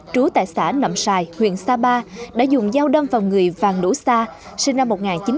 trú tại xã nậm sài huyện sapa đã dùng dao đâm vào người vàng đỗ sa sinh năm một nghìn chín trăm tám mươi